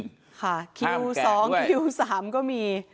ค่ะคิวสองคิวสามก็มี